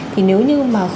thì nếu như mà không được